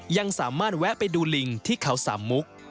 ยังสามารถแวะไปดูลิงที่เขาสามมุก